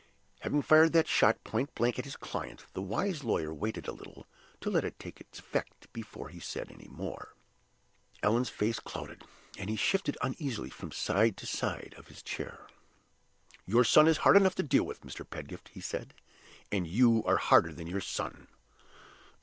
Having fired that shot pointblank at his client, the wise lawyer waited a little to let it take its effect before he said any more. Allan's face clouded, and he shifted uneasily from side to side of his chair. "Your son is hard enough to deal with, Mr. Pedgift," he said, "and you are harder than your son."